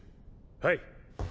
はい。